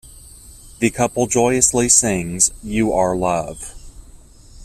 The couple joyously sings "You Are Love".